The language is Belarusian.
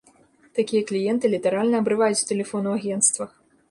Такія кліенты літаральна абрываюць тэлефон у агенцтвах.